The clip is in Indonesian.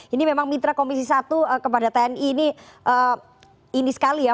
ini memang mitra komisi satu kepada tni ini ini sekali ya